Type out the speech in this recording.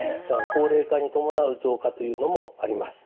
高齢化に伴う増加というのもあります。